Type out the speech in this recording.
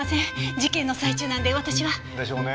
事件の最中なんで私は。でしょうね。